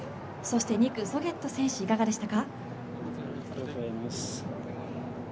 ２区、ソゲット選手、いかがでしたか？